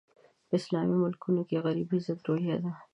په اسلامي ملکونو کې غربي ضد روحیه ده.